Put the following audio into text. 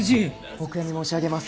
お悔やみ申し上げます。